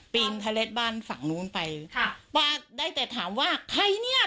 ปีนทะเล็ดบ้านฝั่งนู้นไปค่ะป้าได้แต่ถามว่าใครเนี่ย